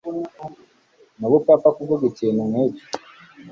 Nubupfapfa kuvuga ikintu nkicyo.